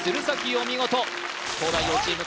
お見事東大王チーム